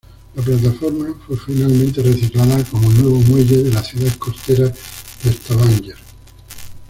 La plataforma fue finalmente reciclada como nuevo muelle de la ciudad costera de Stavanger.